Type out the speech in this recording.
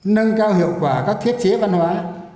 nâng cao hiệu quả các thiết chế văn hóa